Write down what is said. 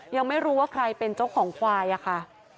ยังไม่รู้ว่าใครเป็นเจ้าของควายอะค่ะ